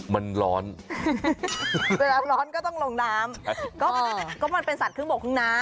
มันร้อนเวลาร้อนก็ต้องลงน้ำก็มันเป็นสัตว์ครึ่งบกครึ่งน้ำ